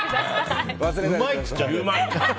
うまいって言っちゃう。